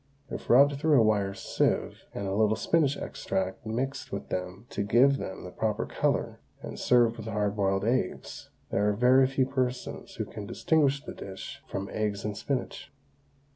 If rubbed through a wire sieve and a little spinach extract mixed with them to give them the proper colour, and served with hard boiled eggs, there are very few persons who can distinguish the dish from eggs and spinach.